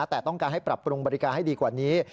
แต่ต้องการให้ปรับปรุงบริการให้ดีกว่านี้